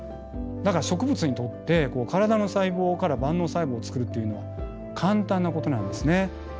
だから植物にとって体の細胞から万能細胞をつくるっていうのは簡単なことなんですね。